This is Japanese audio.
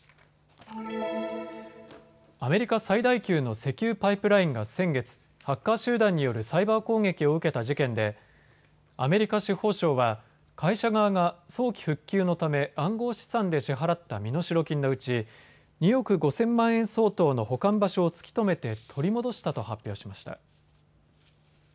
アメリカ最大級の石油パイプラインが先月、ハッカー集団によるサイバー攻撃を受けた事件でアメリカ司法省は会社側が早期復旧のため暗号資産で支払った身代金のうち２億５０００万円相当の保管場所を突き止めて取り戻したと発表しました。